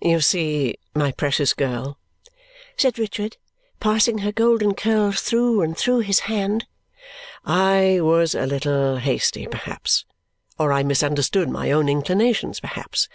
"You see, my precious girl," said Richard, passing her golden curls through and through his hand, "I was a little hasty perhaps; or I misunderstood my own inclinations perhaps.